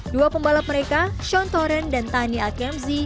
dua pembalap mereka sean torren dan tani alkemzi